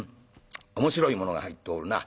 面白いものが入っておるな。